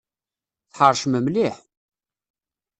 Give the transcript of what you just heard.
Tḥeṛcem mliḥ!